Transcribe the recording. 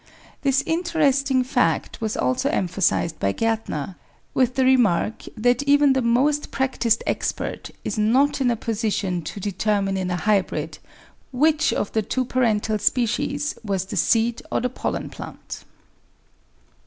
This interesting fact was also emphasised by Gartner, with the remark that even the most practised expert is not in a position to determine in a hybrid which of the two parental species was the seed or the pollen plant.